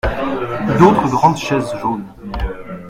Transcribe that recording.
D’autres grandes chaises jaunes.